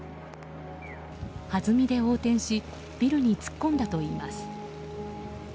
はずみで横転しビルに突っ込んだといいます。